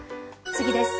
次です。